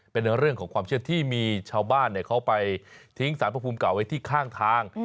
เป็นเรื่องของความเชื่อที่มีชาวบ้านเขาไปทิ้งสารพระภูมิเก่าไว้ที่ข้างทาง